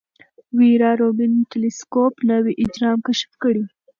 ویرا روبین ټیلسکوپ نوي اجرام کشف کړل.